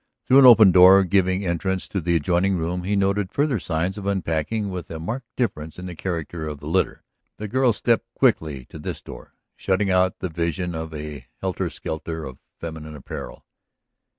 Through an open door giving entrance to the adjoining room he noted further signs of unpacking with a marked difference in the character of the litter; the girl stepped quickly to this door, shutting out the vision of a helter skelter of feminine apparel.